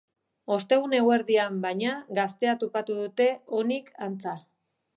Ostegun eguerdian, baina, gaztea topatu dute, onik, antza.